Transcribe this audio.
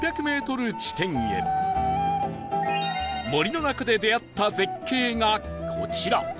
森の中で出会った絶景がこちら